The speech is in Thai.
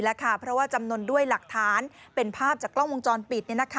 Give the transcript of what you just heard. เพราะว่าจำนวนด้วยหลักฐานเป็นภาพจากกล้องวงจรปิด